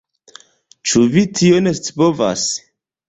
Ĉu vi tion scipovas?